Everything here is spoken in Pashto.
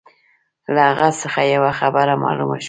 له هغه څخه یوه خبره معلومه شوه.